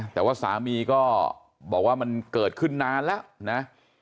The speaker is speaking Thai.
แต่ว่าสามีก็บอกว่ามันเกิดขึ้นนานแล้วนะ